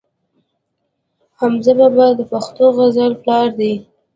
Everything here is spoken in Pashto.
حمزه بابا د پښتو غزل پلار دی.